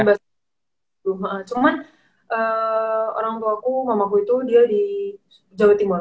cuman orang tuaku mamaku itu dia di jawa timur